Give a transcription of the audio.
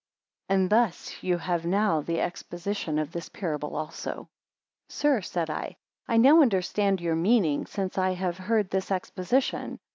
And thus you have now the exposition of this parable also. 58 Sir, said I, I now understand your meaning, since I have heard this exposition.